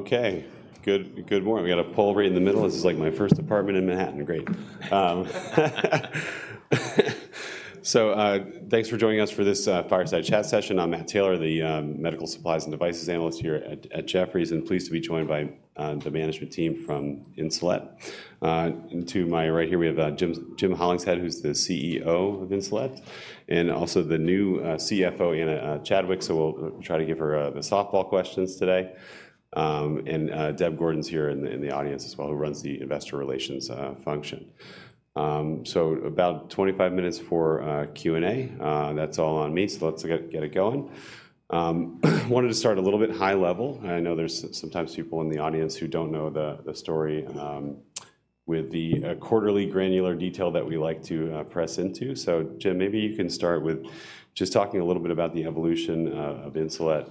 Okay, good, good morning. We got a poll right in the middle. This is like my first apartment in Manhattan. Great. Thanks for joining us for this fireside chat session. I'm Matthew Taylor, the Medical Supplies and Devices Analyst here at Jefferies, and pleased to be joined by the management team from Insulet. And to my right here, we have Jim Hollingshead, who's the CEO of Insulet, and also the new CFO, Ana Chadwick, so we'll try to give her the softball questions today. And Deb Gordon's here in the audience as well, who runs the investor relations function. So about 25 minutes for Q&A. That's all on me, so let's get it going. Wanted to start a little bit high level. I know there's sometimes people in the audience who don't know the story with the quarterly granular detail that we like to press into. So Jim, maybe you can start with just talking a little bit about the evolution of Insulet.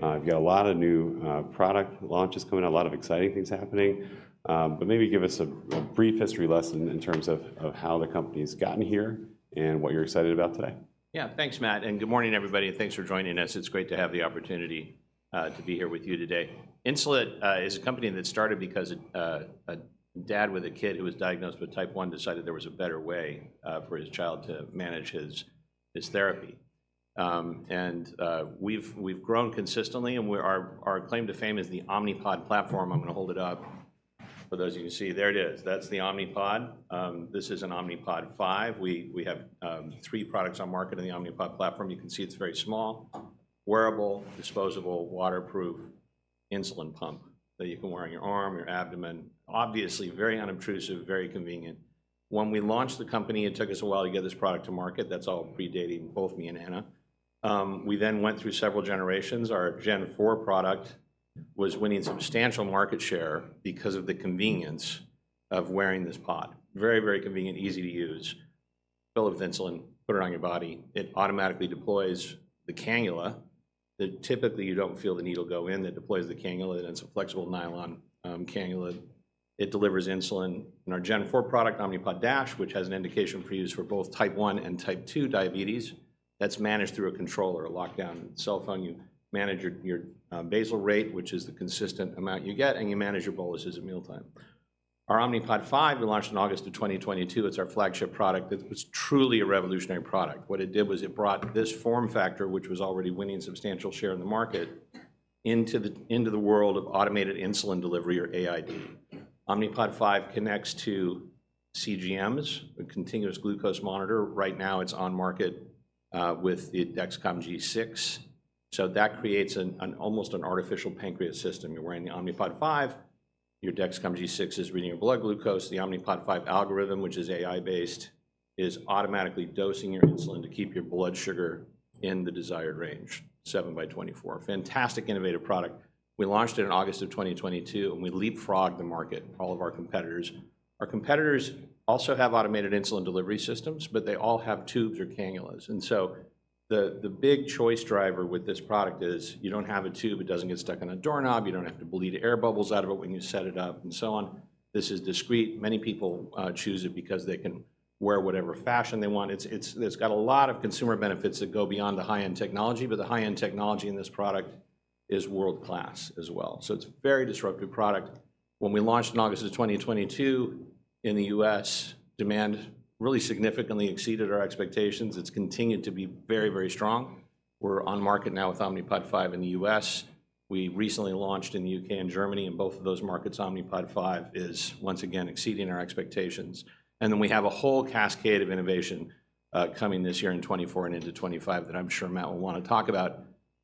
You've got a lot of new product launches coming out, a lot of exciting things happening. But maybe give us a brief history lesson in terms of how the company's gotten here and what you're excited about today. Yeah. Thanks, Matt, and good morning, everybody, and thanks for joining us. It's great to have the opportunity to be here with you today. Insulet is a company that started because a dad with a kid who was diagnosed with Type 1 decided there was a better way for his child to manage his therapy. And we've grown consistently, and we're. Our claim to fame is the Omnipod platform. I'm gonna hold it up for those of you who can see. There it is. That's the Omnipod. This is an Omnipod 5. We have three products on market in the Omnipod platform. You can see it's a very small, wearable, disposable, waterproof insulin pump that you can wear on your arm, your abdomen. Obviously, very unobtrusive, very convenient. When we launched the company, it took us a while to get this product to market. That's all predating both me and Ana. We then went through several generations. Our Gen 4 product was winning substantial market share because of the convenience of wearing this pod. Very, very convenient, easy to use. Fill it with insulin, put it on your body. It automatically deploys the cannula. Typically, you don't feel the needle go in. It deploys the cannula, and it's a flexible nylon cannula. It delivers insulin. And our Gen 4 product, Omnipod DASH, which has an indication for use for both Type 1 and Type 2 diabetes, that's managed through a controller, a locked-down cell phone. You manage your basal rate, which is the consistent amount you get, and you manage your boluses at mealtime. Our Omnipod 5 we launched in August of 2022. It's our flagship product. It's truly a revolutionary product. What it did was it brought this form factor, which was already winning substantial share in the market, into the world of automated insulin delivery, or AID. Omnipod 5 connects to CGMs, a continuous glucose monitor. Right now, it's on market with the Dexcom G6, so that creates an almost artificial pancreas system. You're wearing the Omnipod 5. Your Dexcom G6 is reading your blood glucose. The Omnipod 5 algorithm, which is AI-based, is automatically dosing your insulin to keep your blood sugar in the desired range, 7 by 24. Fantastic, innovative product. We launched it in August of 2022, and we leapfrogged the market, all of our competitors. Our competitors also have automated insulin delivery systems, but they all have tubes or cannulas, and so the big choice driver with this product is you don't have a tube. It doesn't get stuck on a doorknob. You don't have to bleed air bubbles out of it when you set it up, and so on. This is discreet. Many people choose it because they can wear whatever fashion they want. It's got a lot of consumer benefits that go beyond the high-end technology, but the high-end technology in this product is world-class as well, so it's a very disruptive product. When we launched in August of 2022 in the U.S., demand really significantly exceeded our expectations. It's continued to be very, very strong. We're on market now with Omnipod 5 in the U.S. We recently launched in the U.K. and Germany. In both of those markets, Omnipod 5 is once again exceeding our expectations. And then we have a whole cascade of innovation coming this year in 2024 and into 2025 that I'm sure Matt will wanna talk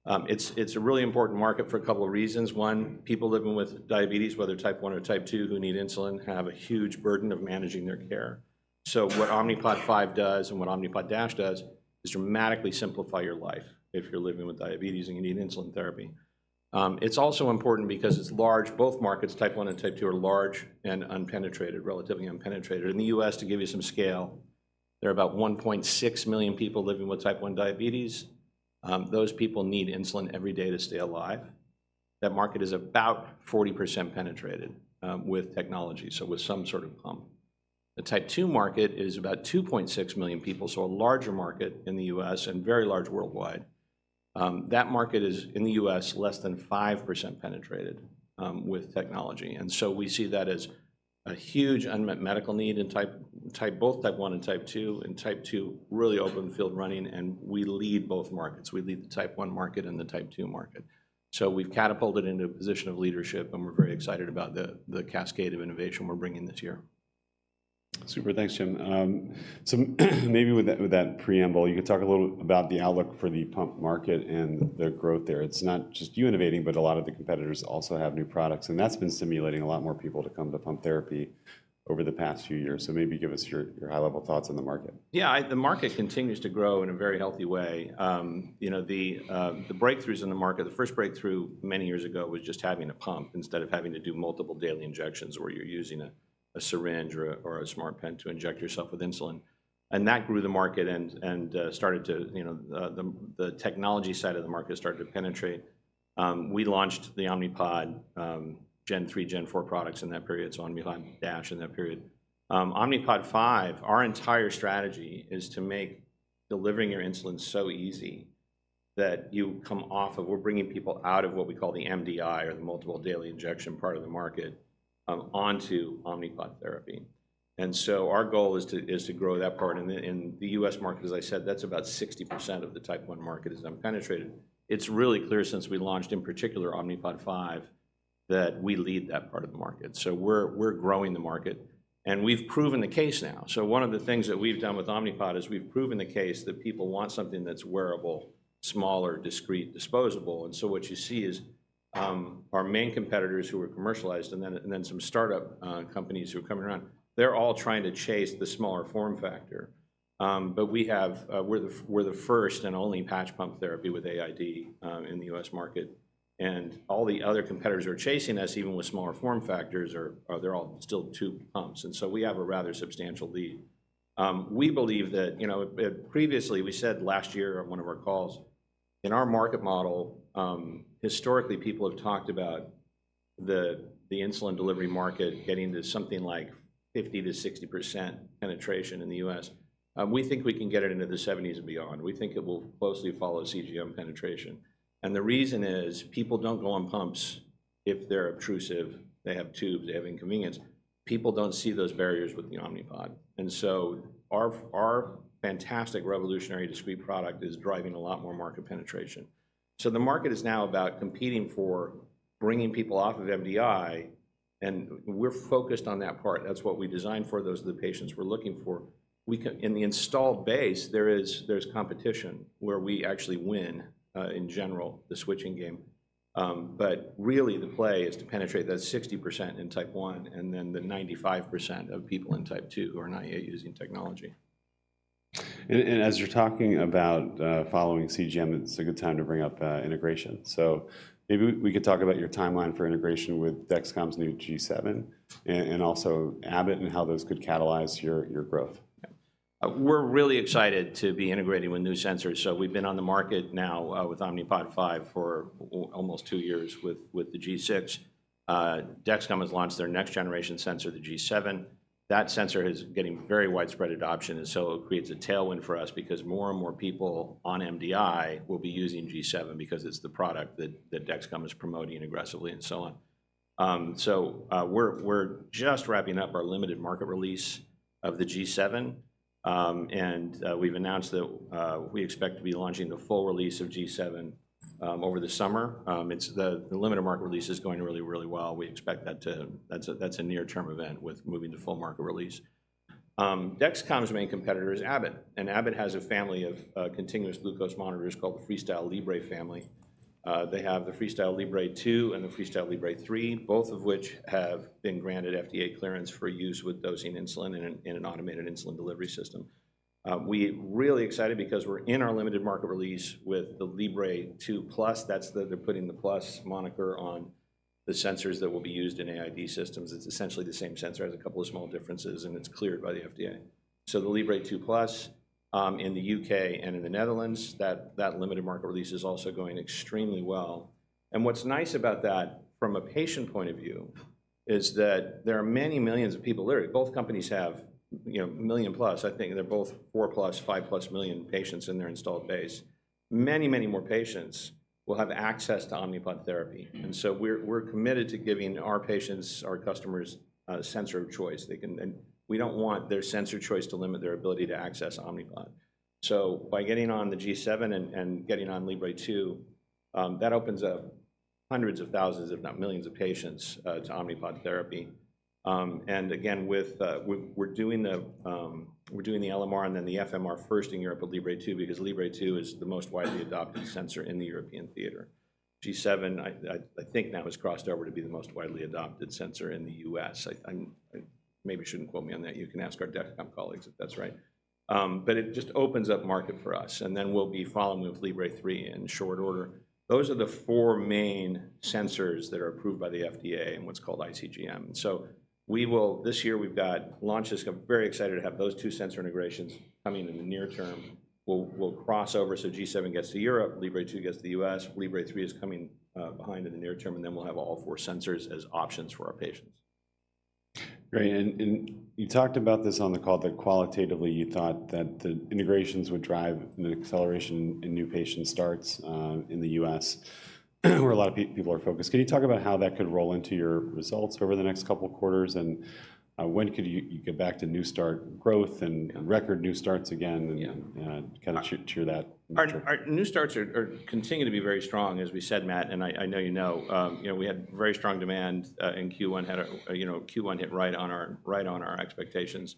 about. It's a really important market for a couple of reasons. One, people living with diabetes, whether Type 1 or Type 2, who need insulin, have a huge burden of managing their care. So what Omnipod 5 does and what Omnipod DASH does is dramatically simplify your life if you're living with diabetes and you need insulin therapy. It's also important because it's large. Both markets, Type 1 and Type 2, are large and unpenetrated, relatively unpenetrated. In the U.S., to give you some scale, there are about 1.6 million people living with Type 1 Diabetes. Those people need insulin every day to stay alive. That market is about 40% penetrated with technology, so with some sort of pump. The Type 2 market is about 2.6 million people, so a larger market in the US and very large worldwide. That market is, in the U.S., less than 5% penetrated with technology, and so we see that as a huge unmet medical need in both Type 1 and Type 2, and Type 2 really open field running, and we lead both markets. We lead the Type 1 market and the Type 2 market. So we've catapulted into a position of leadership, and we're very excited about the cascade of innovation we're bringing this year. Super. Thanks, Jim. So maybe with that, with that preamble, you could talk a little about the outlook for the pump market and the growth there. It's not just you innovating, but a lot of the competitors also have new products, and that's been stimulating a lot more people to come to pump therapy over the past few years. So maybe give us your, your high-level thoughts on the market. Yeah, the market continues to grow in a very healthy way. You know, the breakthroughs in the market, the first breakthrough many years ago was just having a pump instead of having to do multiple daily injections, where you're using a syringe or a smart pen to inject yourself with insulin. And that grew the market and you know, the technology side of the market started to penetrate. We launched the Omnipod Gen 3, Gen 4 products in that period, so Omnipod DASH in that period. Omnipod 5, our entire strategy is to make delivering your insulin so easy that you come off of, we're bringing people out of what we call the MDI, or the multiple daily injection, part of the market, onto Omnipod therapy. Our goal is to grow that part. In the U.S. market, as I said, that's about 60% of the Type 1 market is unpenetrated. It's really clear since we launched, in particular, Omnipod 5, that we lead that part of the market. So we're growing the market, and we've proven the case now. One of the things that we've done with Omnipod is we've proven the case that people want something that's wearable, smaller, discreet, disposable. What you see is our main competitors who are commercialized, and then some startup companies who are coming around, they're all trying to chase the smaller form factor. But we have... We're the first and only patch pump therapy with AID in the U.S. market, and all the other competitors who are chasing us, even with smaller form factors, they're all still tube pumps, and so we have a rather substantial lead. We believe that, you know, previously, we said last year on one of our calls, in our market model, historically, people have talked about the insulin delivery market getting to something like 50%-60% penetration in the U.S. We think we can get it into the 70s and beyond. We think it will closely follow CGM penetration. The reason is, people don't go on pumps if they're obtrusive, they have tubes, they have inconvenience. People don't see those barriers with the Omnipod, and so our fantastic, revolutionary, discreet product is driving a lot more market penetration. So the market is now about competing for bringing people off of MDI, and we're focused on that part. That's what we designed for, those are the patients we're looking for. In the installed base, there is, there's competition, where we actually win, in general, the switching game. But really, the play is to penetrate that 60% in Type 1 and then the 95% of people in Type 2 who are not yet using technology. And as you're talking about following CGM, it's a good time to bring up integration. So maybe we could talk about your timeline for integration with Dexcom's new G7 and also Abbott, and how those could catalyze your growth? We're really excited to be integrating with new sensors. So we've been on the market now with Omnipod 5 for almost two years with the G6. Dexcom has launched their next-generation sensor, the G7. That sensor is getting very widespread adoption, and so it creates a tailwind for us because more and more people on MDI will be using G7 because it's the product that Dexcom is promoting aggressively and so on. We're just wrapping up our limited market release of the G7, and we've announced that we expect to be launching the full release of G7 over the summer. It's the limited market release is going really, really well. We expect that to... That's a near-term event with moving to full market release. Dexcom's main competitor is Abbott, and Abbott has a family of continuous glucose monitors called the FreeStyle Libre family. They have the FreeStyle Libre 2 and the FreeStyle Libre 3, both of which have been granted FDA clearance for use with dosing insulin in an automated insulin delivery system. We're really excited because we're in our limited market release with the FreeStyle Libre 2 Plus. That's the—they're putting the Plus moniker on the sensors that will be used in AID systems. It's essentially the same sensor, has a couple of small differences, and it's cleared by the FDA. So the FreeStyle Libre 2 Plus in the U.K. and in the Netherlands, that limited market release is also going extremely well. And what's nice about that, from a patient point of view, is that there are many millions of people... Both companies have, you know, 1 million plus. I think they're both 4-plus, 5-plus million patients in their installed base. Many, many more patients will have access to Omnipod therapy, and so we're committed to giving our patients, our customers, a sensor of choice. They can... And we don't want their sensor choice to limit their ability to access Omnipod. So by getting on the G7 and getting on Libre 2, that opens up hundreds of thousands, if not millions of patients, to Omnipod therapy. And again, with... We're doing the LMR and then the FMR first in Europe with Libre 2 because Libre 2 is the most widely adopted sensor in the European theater. G7, I think now has crossed over to be the most widely adopted sensor in the U.S. Maybe you shouldn't quote me on that. You can ask our Dexcom colleagues if that's right. But it just opens up market for us, and then we'll be following with Libre 3 in short order. Those are the four main sensors that are approved by the FDA in what's called iCGM. So we will. This year, we've got launches. Very excited to have those two sensor integrations coming in the near term. We'll cross over, so G7 gets to Europe, Libre 2 gets to the U.S. Libre 3 is coming behind in the near term, and then we'll have all four sensors as options for our patients. Great, and you talked about this on the call, that qualitatively, you thought that the integrations would drive the acceleration in new patient starts, in the U.S., where a lot of people are focused. Can you talk about how that could roll into your results over the next couple quarters, and, when could you get back to new start growth and- Yeah... record new starts again and- Yeah... and kind of share that info? Our new starts are continuing to be very strong, as we said, Matt, and I know you know. You know, we had very strong demand in Q1, had a you know Q1 hit right on our expectations.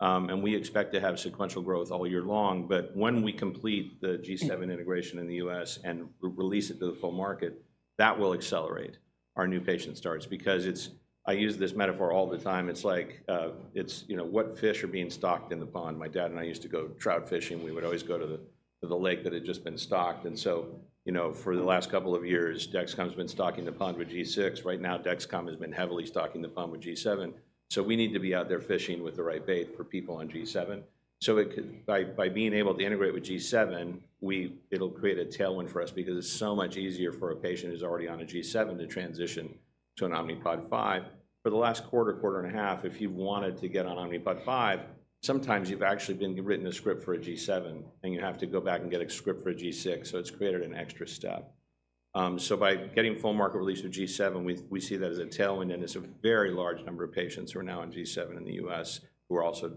And we expect to have sequential growth all year long, but when we complete the G7 integration in the U.S. and release it to the full market, that will accelerate our new patient starts. Because it's... I use this metaphor all the time. It's like, you know, what fish are being stocked in the pond? My dad and I used to go trout fishing. We would always go to the lake that had just been stocked. And so, you know, for the last couple of years, Dexcom's been stocking the pond with G6. Right now, Dexcom has been heavily stocking the pond with G7, so we need to be out there fishing with the right bait for people on G7. By being able to integrate with G7, it'll create a tailwind for us because it's so much easier for a patient who's already on a G7 to transition to an Omnipod 5. For the last quarter and a half, if you've wanted to get on Omnipod 5, sometimes you've actually been written a script for a G7, and you have to go back and get a script for a G6, so it's created an extra step. So by getting full market release of G7, we see that as a tailwind, and it's a very large number of patients who are now on G7 in the U.S., who are also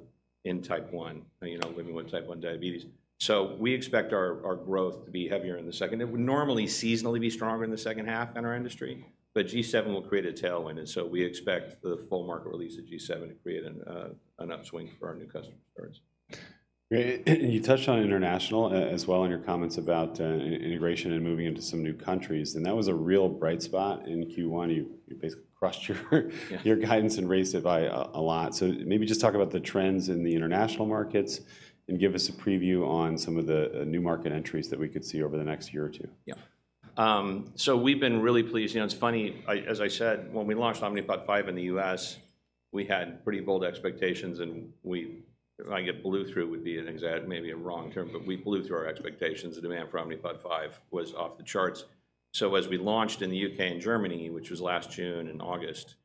in Type 1, you know, living with Type 1 diabetes. So we expect our growth to be heavier in the second. It would normally seasonally be stronger in the second half in our industry, but G7 will create a tailwind, and so we expect the full market release of G7 to create an upswing for our new customer starts. You touched on international as well in your comments about integration and moving into some new countries, and that was a real bright spot in Q1. You basically crushed your, Yeah... your guidance and raised it by a lot. So maybe just talk about the trends in the international markets, and give us a preview on some of the new market entries that we could see over the next year or two. Yeah. So we've been really pleased. You know, it's funny, as I said, when we launched Omnipod 5 in the U.S., we had pretty bold expectations, and we blew through our expectations. The demand for Omnipod 5 was off the charts. So as we launched in the U.K. and Germany, which was last June and August,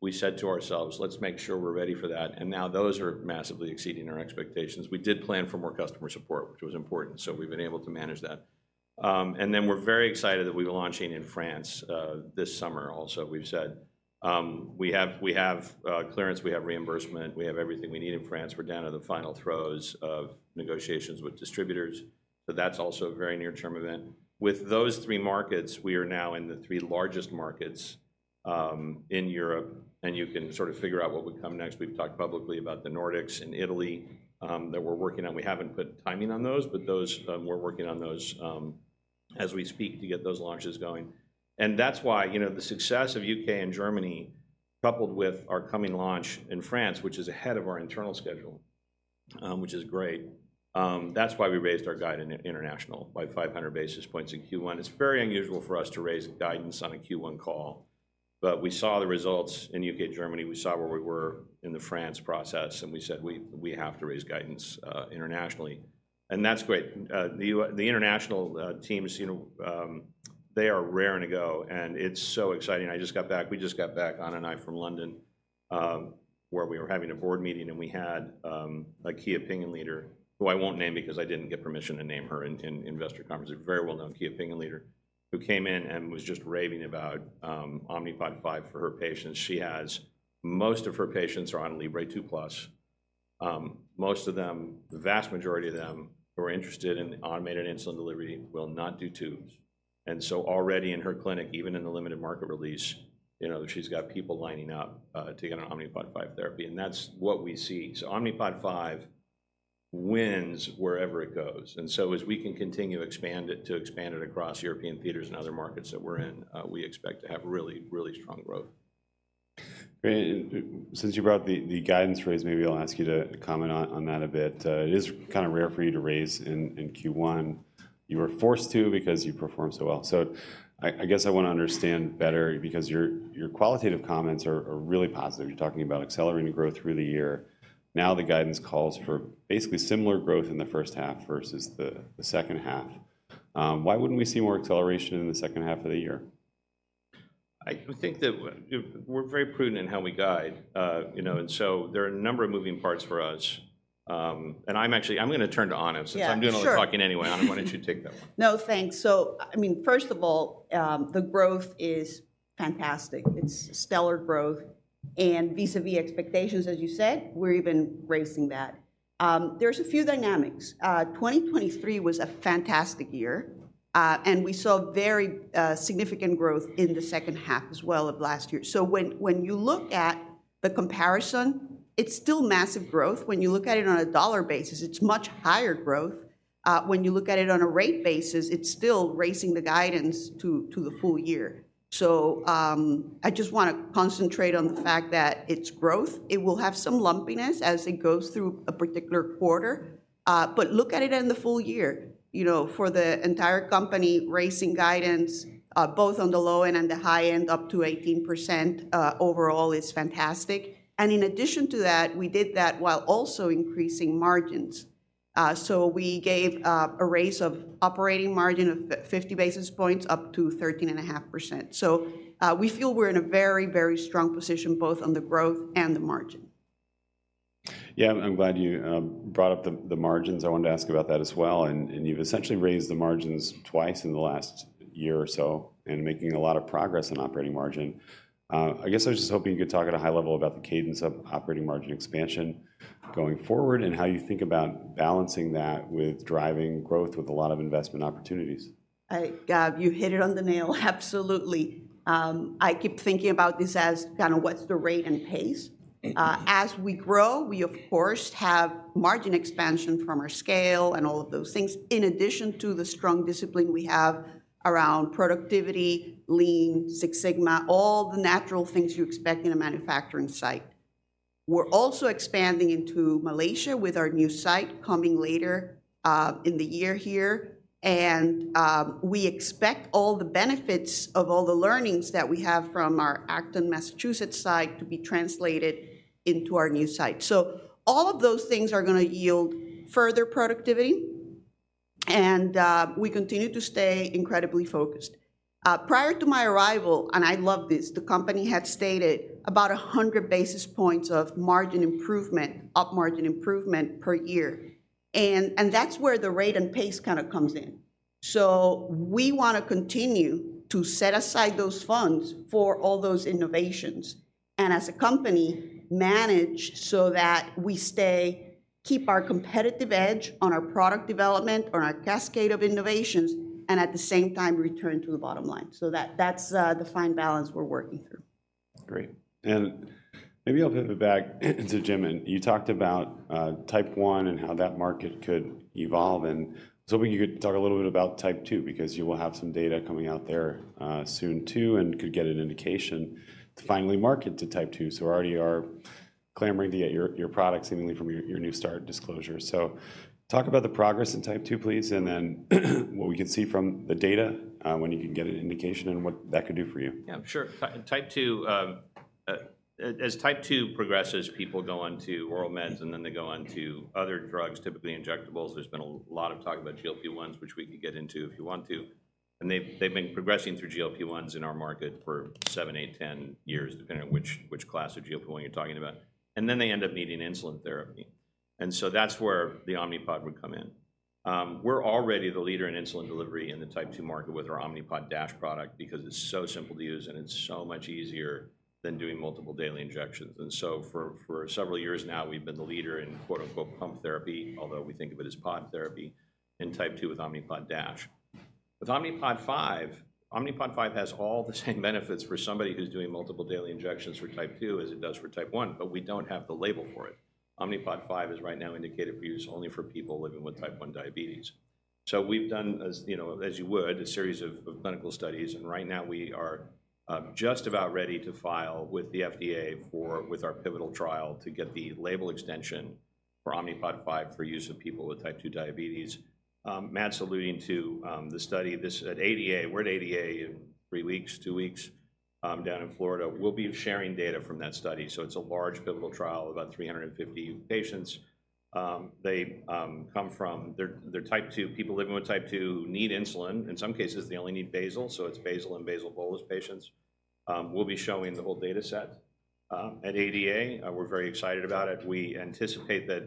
we said to ourselves, "Let's make sure we're ready for that." And now those are massively exceeding our expectations. We did plan for more customer support, which was important, so we've been able to manage that. And then we're very excited that we're launching in France this summer also. We've said we have clearance, we have reimbursement, we have everything we need in France. We're down to the final throes of negotiations with distributors, so that's also a very near-term event. With those three markets, we are now in the three largest markets in Europe, and you can sort of figure out what would come next. We've talked publicly about the Nordics and Italy that we're working on. We haven't put timing on those, but those, we're working on those as we speak to get those launches going. And that's why, you know, the success of U.K. and Germany, coupled with our coming launch in France, which is ahead of our internal schedule, which is great, that's why we raised our guidance in international by 500 basis points in Q1. It's very unusual for us to raise guidance on a Q1 call, but we saw the results in U.K., Germany. We saw where we were in the France process, and we said, "We, we have to raise guidance internationally." And that's great. The international teams, you know, they are raring to go, and it's so exciting. We just got back, Ana and I, from London, where we were having a board meeting, and we had a key opinion leader, who I won't name because I didn't get permission to name her in investor conference. A very well-known key opinion leader, who came in and was just raving about Omnipod 5 for her patients. Most of her patients are on Libre 2 Plus. Most of them, the vast majority of them, who are interested in automated insulin delivery will not do tubes. So already in her clinic, even in the limited market release, you know, she's got people lining up to get on Omnipod 5 therapy, and that's what we see. So Omnipod 5 wins wherever it goes, and so as we can continue to expand it, to expand it across European theaters and other markets that we're in, we expect to have really, really strong growth. Great. And since you brought the guidance raise, maybe I'll ask you to comment on that a bit. It is kind of rare for you to raise in Q1. You were forced to because you performed so well. So I guess I wanna understand better because your qualitative comments are really positive. You're talking about accelerating growth through the year. Now, the guidance calls for basically similar growth in the first half versus the second half. Why wouldn't we see more acceleration in the second half of the year? I think that we're very prudent in how we guide. You know, and so there are a number of moving parts for us. I'm gonna turn to Ana- Yeah, sure... since I'm doing all the talking anyway. Ana, why don't you take that one? No, thanks. So, I mean, first of all, the growth is fantastic. It's stellar growth, and vis-à-vis expectations, as you said, we're even raising that. There's a few dynamics. 2023 was a fantastic year, and we saw very significant growth in the second half as well of last year. So when you look at the comparison, it's still massive growth. When you look at it on a dollar basis, it's much higher growth. When you look at it on a rate basis, it's still raising the guidance to the full year. So, I just wanna concentrate on the fact that it's growth. It will have some lumpiness as it goes through a particular quarter, but look at it in the full year. You know, for the entire company, raising guidance both on the low end and the high end up to 18% overall is fantastic. And in addition to that, we did that while also increasing margins. So we gave a raise of operating margin of 50 basis points up to 13.5%. So we feel we're in a very, very strong position, both on the growth and the margin. Yeah, I'm glad you brought up the margins. I wanted to ask about that as well, and you've essentially raised the margins twice in the last year or so, and making a lot of progress in operating margin. I guess I was just hoping you could talk at a high level about the cadence of operating margin expansion going forward, and how you think about balancing that with driving growth with a lot of investment opportunities. You hit it on the nail, absolutely. I keep thinking about this as kind of what's the rate and pace. Mm-hmm. As we grow, we of course have margin expansion from our scale and all of those things, in addition to the strong discipline we have around productivity, Lean Six Sigma, all the natural things you expect in a manufacturing site. We're also expanding into Malaysia with our new site coming later in the year here, and we expect all the benefits of all the learnings that we have from our Acton, Massachusetts site to be translated into our new site. So all of those things are gonna yield further productivity and we continue to stay incredibly focused. Prior to my arrival, and I love this, the company had stated about 100 basis points of margin improvement, op margin improvement per year. And that's where the rate and pace kind of comes in. So we wanna continue to set aside those funds for all those innovations, and as a company, manage so that we keep our competitive edge on our product development, on our cascade of innovations, and at the same time, return to the bottom line. So that's the fine balance we're working through. Great. And maybe I'll pivot back to Jim. And you talked about Type 1 and how that market could evolve, and I was hoping you could talk a little bit about Type 2. Because you will have some data coming out there soon, too, and could get an indication to finally market to Type 2 who already are clamoring to get your, your product, seemingly from your, your new study disclosure. So talk about the progress in Type 2, please, and then what we can see from the data when you can get an indication, and what that could do for you. Yeah, sure. Type 2, as Type 2 progresses, people go onto oral meds, and then they go onto other drugs, typically injectables. There's been a lot of talk about GLP-1s, which we can get into if you want to, and they've been progressing through GLP-1s in our market for 7, 8, 10 years, depending on which class of GLP-1 you're talking about, and then they end up needing insulin therapy. And so that's where the Omnipod would come in. We're already the leader in insulin delivery in the Type 2 market with our Omnipod DASH product because it's so simple to use, and it's so much easier than doing multiple daily injections. And so for several years now, we've been the leader in "pump therapy," although we think of it as pod therapy, in Type 2 with Omnipod DASH. With Omnipod 5, Omnipod 5 has all the same benefits for somebody who's doing multiple daily injections for Type 2 as it does for Type 1, but we don't have the label for it. Omnipod 5 is right now indicated for use only for people living with Type 1 diabetes. So we've done, as you know, a series of clinical studies, and right now we are just about ready to file with the FDA with our pivotal trial to get the label extension for Omnipod 5 for use in people with Type 2 diabetes. Matt's alluding to the study. This is at ADA. We're at ADA in three weeks, two weeks down in Florida. We'll be sharing data from that study. So it's a large pivotal trial of about 350 patients. They come from. They're Type 2. People living with Type 2 who need insulin, in some cases, they only need basal, so it's basal and basal bolus patients. We'll be showing the whole data set at ADA. We're very excited about it. We anticipate that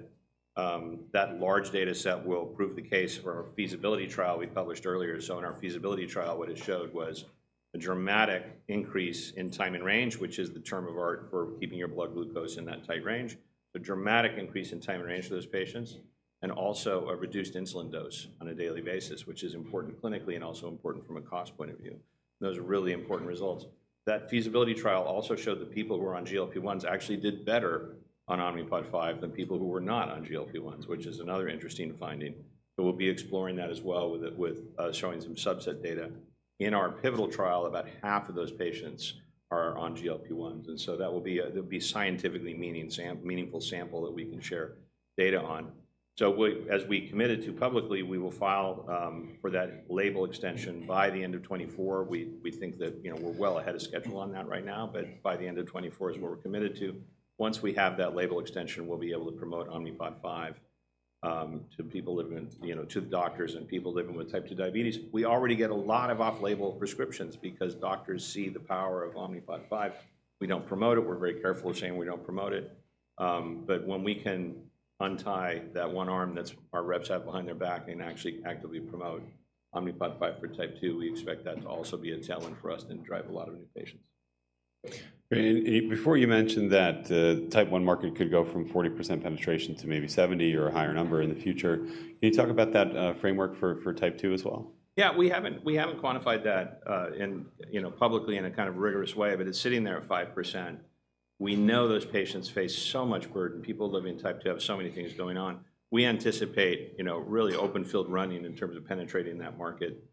that large data set will prove the case for our feasibility trial we published earlier. So in our feasibility trial, what it showed was a dramatic increase in Time in Range, which is the term of art for keeping your blood glucose in that tight range. A dramatic increase in Time in Range for those patients, and also a reduced insulin dose on a daily basis, which is important clinically and also important from a cost point of view. Those are really important results. That feasibility trial also showed that people who were on GLP-1s actually did better on Omnipod 5 than people who were not on GLP-1s, which is another interesting finding. So we'll be exploring that as well with showing some subset data. In our pivotal trial, about half of those patients are on GLP-1s, and so that will be a, that'll be a scientifically meaningful sample that we can share data on. So as we committed to publicly, we will file for that label extension by the end of 2024. We think that, you know, we're well ahead of schedule on that right now, but by the end of 2024 is what we're committed to. Once we have that label extension, we'll be able to promote Omnipod 5 to people living, you know, to doctors and people living with Type 2 Diabetes. We already get a lot of off-label prescriptions because doctors see the power of Omnipod 5. We don't promote it. We're very careful of saying we don't promote it. But when we can untie that one arm that's our reps have behind their back and actually actively promote Omnipod 5 for Type 2, we expect that to also be a tailwind for us and drive a lot of new patients. Great. And before you mentioned that, Type 1 market could go from 40% penetration to maybe 70 or a higher number in the future. Can you talk about that, framework for Type 2 as well? Yeah, we haven't quantified that, you know, publicly in a kind of rigorous way, but it's sitting there at 5%. We know those patients face so much burden. People living with Type 2 have so many things going on. We anticipate, you know, really open field running in terms of penetrating that market.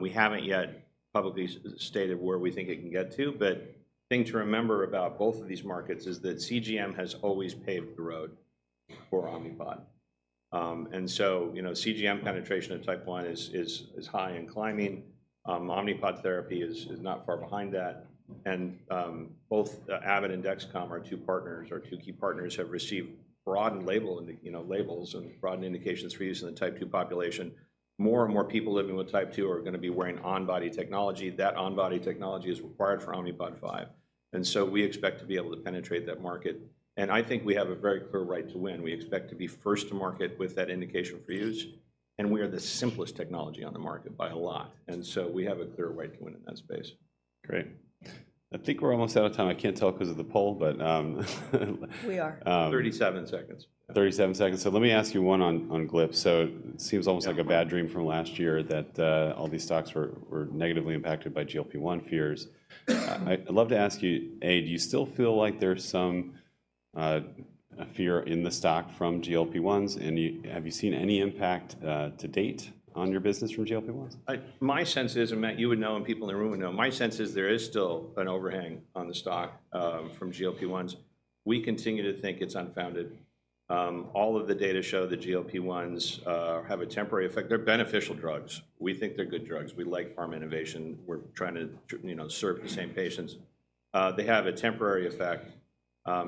We haven't yet publicly stated where we think it can get to, but thing to remember about both of these markets is that CGM has always paved the road for Omnipod. And so, you know, CGM penetration of Type 1 is high and climbing. Omnipod therapy is not far behind that. And both, Abbott and Dexcom, our two partners, our two key partners, have received broadened labels and broadened indications for use in the Type 2 population. More and more people living with Type 2 are gonna be wearing on-body technology. That on-body technology is required for Omnipod 5, and so we expect to be able to penetrate that market. I think we have a very clear right to win. We expect to be first to market with that indication for use, and we are the simplest technology on the market by a lot, and so we have a clear right to win in that space. Great. I think we're almost out of time. I can't tell 'cause of the poll, but. We are. Um- 37 seconds. 37 seconds. So let me ask you one on GLP. So it seems almost- Yeah... like a bad dream from last year, that all these stocks were negatively impacted by GLP-1 fears. I'd love to ask you, A, do you still feel like there's some fear in the stock from GLP-1s, and have you seen any impact to date on your business from GLP-1s? I, my sense is, and Matt, you would know, and people in the room would know, my sense is there is still an overhang on the stock from GLP-1s. We continue to think it's unfounded. All of the data show that GLP-1s have a temporary effect. They're beneficial drugs. We think they're good drugs. We like pharma innovation. We're trying to you know, serve the same patients. They have a temporary effect.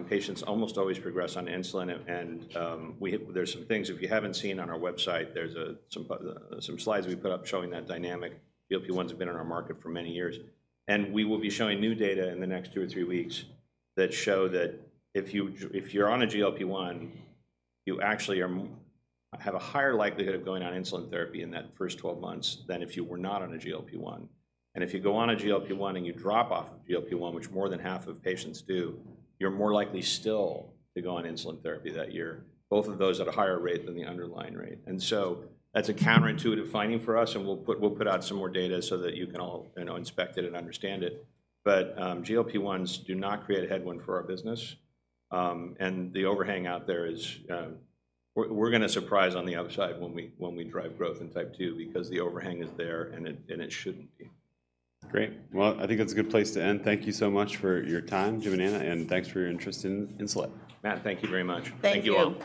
Patients almost always progress on insulin, and we, there's some things, if you haven't seen on our website, there's some slides we put up showing that dynamic. GLP-1s have been on our market for many years, and we will be showing new data in the next two or three weeks that show that if you're on a GLP-1, you actually have a higher likelihood of going on insulin therapy in that first 12 months than if you were not on a GLP-1. And if you go on a GLP-1, and you drop off of GLP-1, which more than half of patients do, you're more likely still to go on insulin therapy that year, both of those at a higher rate than the underlying rate. And so that's a counterintuitive finding for us, and we'll put out some more data so that you can all, you know, inspect it and understand it. But GLP-1s do not create a headwind for our business, and the overhang out there is... We're gonna surprise on the upside when we drive growth in Type 2 because the overhang is there, and it shouldn't be. Great. Well, I think that's a good place to end. Thank you so much for your time, Jim and Ana, and thanks for your interest in Insulet. Matt, thank you very much. Thank you. Thank you, all.